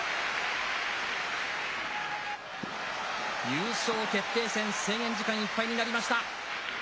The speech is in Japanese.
優勝決定戦、制限時間いっぱいになりました。